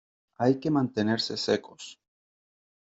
hay que mantenerse secos ;